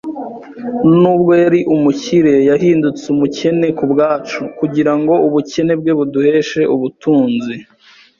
Nubwo yari umukire, yahindutse umukene ku bwacu kugira ngo ubukene bwe buduheshe ubutunzi